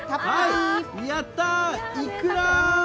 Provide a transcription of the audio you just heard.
やったー、いくら！